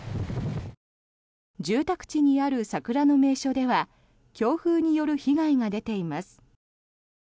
住宅地にある桜の名所では強風による被害が出ています。